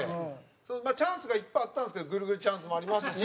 まあチャンスがいっぱいあったんですけどぐるぐるチャンスもありましたし。